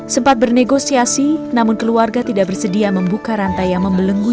sempat bernegosiasi namun keluarga tidak bersedia membuka rantai yang membelenggu